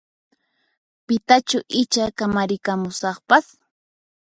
Pitachu icha kamarikamusaqpas?